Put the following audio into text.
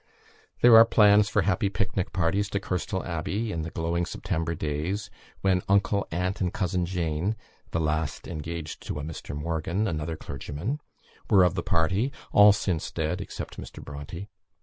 There are plans for happy pic nic parties to Kirkstall Abbey, in the glowing September days, when "Uncle, Aunt, and Cousin Jane," the last engaged to a Mr. Morgan, another clergyman were of the party; all since dead, except Mr. Bronte.